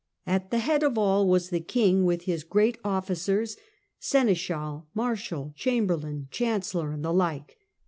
At the head of all was the King with his great officers — Seneschal, Marshal, Chamberlain, Chancellor, and the like.